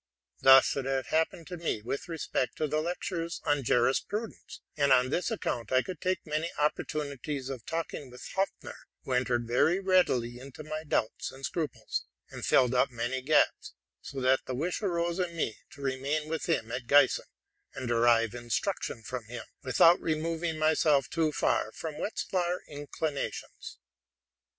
Thus it had happened to me with respect to the lectures on jurisprudence: and on this account I could take many opportunities of talking with Hopfner, who entered very readily into my doubts and scruples, and filled up many gaps ; so that the wish arose in me to remain with him at Giessen, and derive instruction from him, without removing myself too far from Wetzlar inclinations.